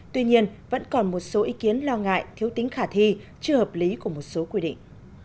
tuy nhiên vẫn còn một số ý kiến lo ngại thiếu tính khả thi chưa hợp lý của một số quy định